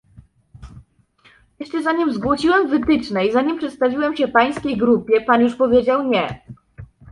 Jeszcze zanim zgłosiłem wytyczne i zanim przedstawiłem się pańskiej grupie, pan już powiedział "nie"